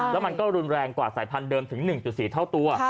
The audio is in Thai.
แล้วมันก็รุนแรงกว่าสายพันธุเดิมถึง๑๔เท่าตัว